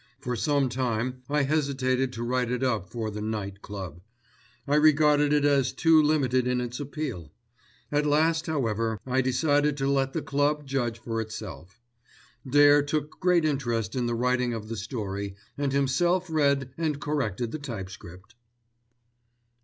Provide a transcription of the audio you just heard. For some time I hesitated to write it up for the Night Club. I regarded it as too limited in its appeal. At last, however, I decided to let the Club judge for itself. Dare took great interest in the writing of the story, and himself read and corrected the typescript.